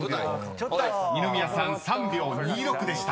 ［二宮さん３秒２６でした］